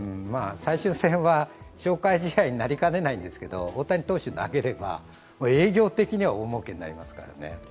最終戦は消化試合になりかねないですが大谷投手が投げれば営業的には大もうけになりますからね。